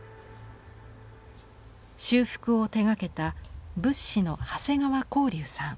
修復を手がけた仏師の長谷川高隆さん。